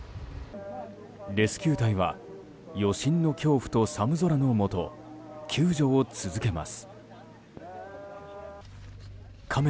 レスキュー隊は余震の恐怖と寒空の下救助を続けます。